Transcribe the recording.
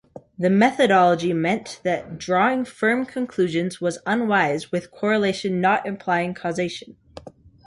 The methodology meant that drawing firm conclusions was unwise with correlation not implying causation.